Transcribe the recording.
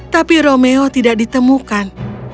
tapi romeo tidak ditemukan